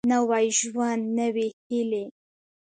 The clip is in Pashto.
نوی ژوند نوي هېلې